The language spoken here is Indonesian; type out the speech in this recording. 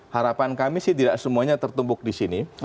harapan kami sih tidak semuanya tertumpuk disini